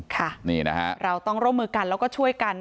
ค่ะนี่นะฮะเราต้องร่วมมือกันแล้วก็ช่วยกัน